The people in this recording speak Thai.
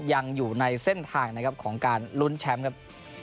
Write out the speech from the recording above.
ยังอยู่ในเส้นทางนะครับของการลุ้นแชมป์ครับ